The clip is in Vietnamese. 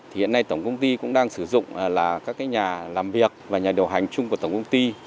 thì hiện nay tổng công ty cũng đang sử dụng là các nhà làm việc và nhà điều hành chung của tổng công ty